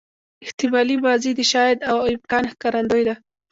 احتمالي ماضي د شاید او امکان ښکارندوی ده.